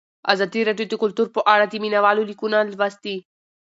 ازادي راډیو د کلتور په اړه د مینه والو لیکونه لوستي.